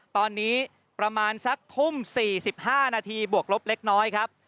ตอนนี้ประมาณสักทุ่ม๔๕นาทีบวกลบเล็กน้อยครับ